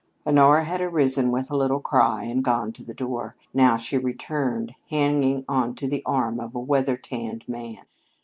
Honora had arisen with a little cry and gone to the door. Now she returned, hanging on to the arm of a weather tanned man.